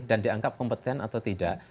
dan dianggap kompeten atau tidak